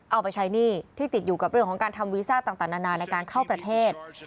เอาไปใช้หนี้ที่ติดอยู่กับเรื่องของการทำวีซ่าต่างนานาในการเข้าประเทศ